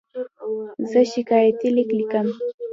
زه شکایتي لیک لیکم.